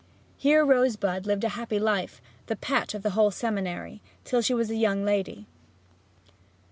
Here Rosebud lived a happy life, the pet of the whole seminary, till she was a young lady.